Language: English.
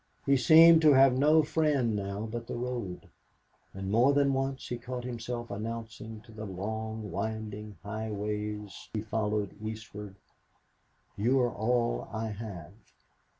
He seemed to have no friend now but the road, and more than once he caught himself announcing to the long winding highways he followed eastward, "You're all I have."